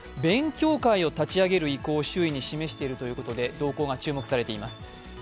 勉強会を立ち上げる意向を周囲に示しているということで動向が注目されています。